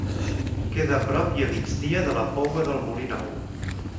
Queda a prop i a migdia de la Poua del Molí Nou.